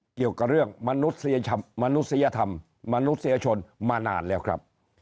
เกี่ยวกับเรื่องมนุษยธรรมมนุษยชนมานานแล้วครับ